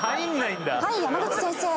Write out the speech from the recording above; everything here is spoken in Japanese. はい山口先生。